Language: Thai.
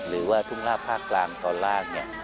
หรือว่าทุ่งราบภาคกลางตอนล่าง